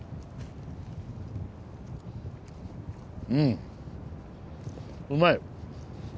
うんうまい。